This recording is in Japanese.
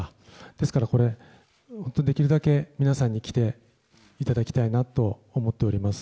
ですから、これはできるだけ皆さんに来ていただきと思っています。